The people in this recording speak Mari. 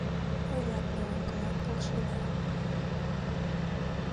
«Мыят наукылан полшенам.